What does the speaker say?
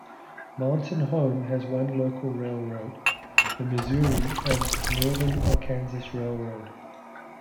Mountain Home has one local railroad, the Missouri and Northern Arkansas Railroad.